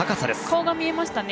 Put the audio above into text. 顔が見えましたね。